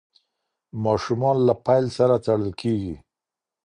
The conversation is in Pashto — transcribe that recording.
ماشومان له پیل سره تړل کېږي.